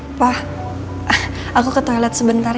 papa aku ke toilet sebentar ya